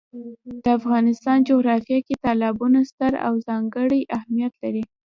د افغانستان جغرافیه کې تالابونه ستر او ځانګړی اهمیت لري.